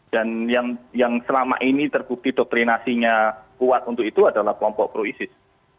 dan yang selama ini terbukti doktrinasinya kuat untuk itu adalah kelompok pro isis